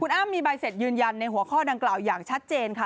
อ้ามมีใบเสร็จยืนยันในหัวข้อดังกล่าวอย่างชัดเจนค่ะ